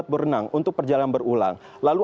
hep erlier nazi pas sudah menderita keterangan tersebut